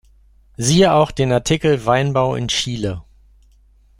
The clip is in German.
Siehe auch den Artikel Weinbau in Chile.